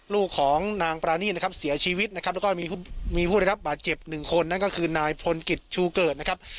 ลูกของนางปรานีตนะครับเสียชีวิตนะครับแล้วก็มีผู้ได้รับบาดเจ็บหนึ่งคนนั่นก็คือนายพลกิจชูเกิดนะครับ